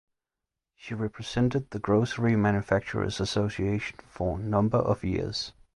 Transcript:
She represented the Grocery Manufacturers Association for number of years.